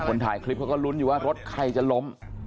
ถ่ายคลิปเขาก็ลุ้นอยู่ว่ารถใครจะล้ม